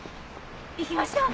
行きましょう！